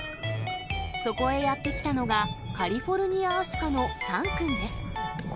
そこへやって来たのがカリフォルニアアシカのサンくんです。